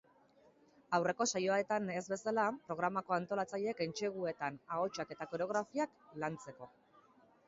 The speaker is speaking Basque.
Aurreko saioetan ez bezala, programako antolatzaileek entseguetan, ahotsak eta koreografiak lantzeko.